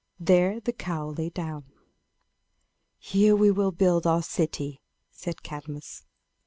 There the cow lay down. "Here we will build our city," said Cadmus.